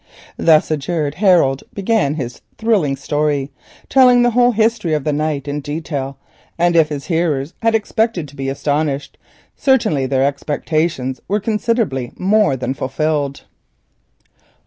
Thus adjured, Harold began his thrilling story, telling the whole history of the night in detail, and if his hearers had expected to be astonished certainly their expectations were considerably more than fulfilled.